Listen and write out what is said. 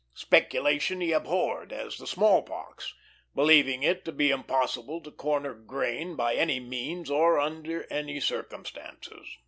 Speculation he abhorred as the small pox, believing it to be impossible to corner grain by any means or under any circumstances.